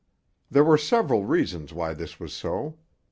There were several reasons why this was so.